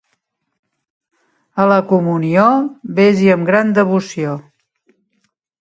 A la comunió ves-hi amb gran devoció.